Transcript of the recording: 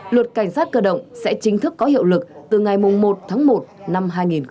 luật cảnh sát cơ động sẽ chính thức có hiệu lực từ ngày một tháng một năm hai nghìn hai mươi